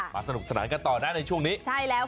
มาสนุกสนานกันต่อได้ในช่วงนี้